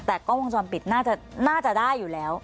แต่กล้องวงจรปิดน่าจะได้อยู่แล้ว